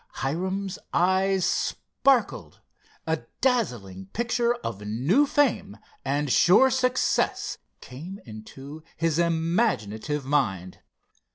Hiram's eyes sparkled. A dazzling picture of new fame and sure success came into his imaginative mind.